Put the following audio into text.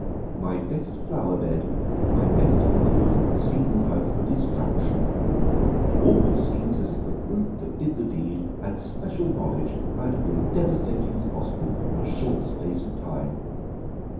My best flower bed and my best fowls singled out for destruction; it almost seems as if the brute that did the deed had special knowledge how to be as devastating as possible in a short space of time."